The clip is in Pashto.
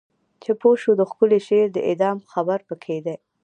چې پوه شو د ښکلی شعر د اعدام خبر پکې دی